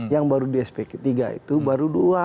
yang baru di sp tiga itu baru dua